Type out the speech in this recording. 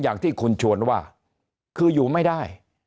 อย่างที่คุณชวนว่าคืออยู่ไม่ได้